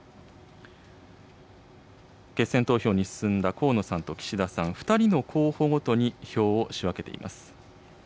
決選投票に進んだ河野さんと岸田さん、２人の候補ごとに票を仕分けています。